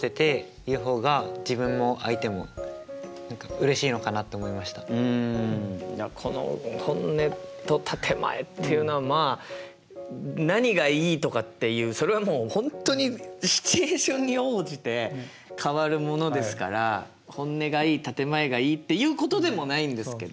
それよりうんいやこの本音と建て前っていうのはまあ何がいいとかっていうそれはもう本当にシチュエーションに応じて変わるものですから本音がいい建て前がいいっていうことでもないんですけど。